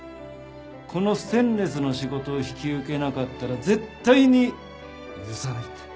「このステンレスの仕事を引き受けなかったら絶対に許さない」って。